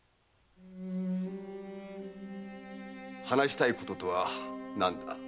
話したいこととは何だ？